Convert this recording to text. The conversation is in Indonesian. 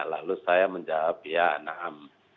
lalu saya menjawab ya naam